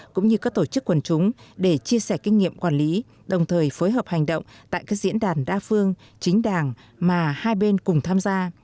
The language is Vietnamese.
cũng như các tổ chức quần chúng để chia sẻ kinh nghiệm quản lý đồng thời phối hợp hành động tại các diễn đàn đa phương chính đảng mà hai bên cùng tham gia